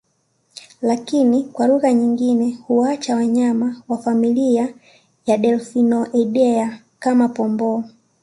Lakini kwa lugha nyingine huwaacha wanyama wa familia ya Delphinoidea kama Pomboo